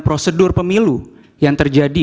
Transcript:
prosedur pemilu yang terjadi